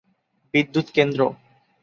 বিদ্যুৎ কেন্দ্র।